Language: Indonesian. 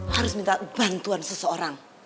harus minta bantuan seseorang